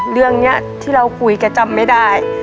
เรื่องนี้ที่เราคุยแกจำไม่ได้